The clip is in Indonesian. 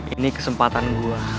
ini kesempatan gua